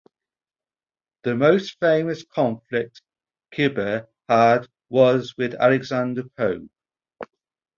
The most famous conflict Cibber had was with Alexander Pope.